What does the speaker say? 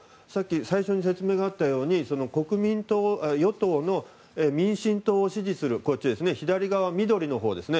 最初に説明があったように与党・民進党を支持する左側緑のほうですが。